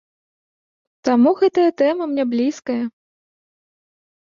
Таму гэтая тэма мне блізкая.